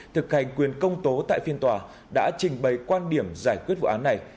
thực hành quyền công tố tại phiên tòa đã trình bày quan điểm giải quyết vụ án này